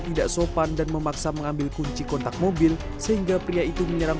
tidak sopan dan memaksa mengambil kunci kontak mobil sehingga pria itu menyerang